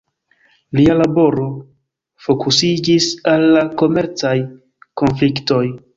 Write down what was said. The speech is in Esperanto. Lia laboro fokusiĝis al la komercaj konfliktoj.